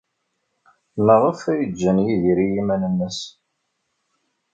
Maɣef ay ǧǧan Yidir i yiman-nnes?